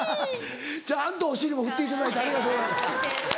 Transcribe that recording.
ちゃんとお尻も振っていただいてありがとうございます。